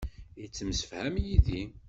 Yettemsefham yid-i.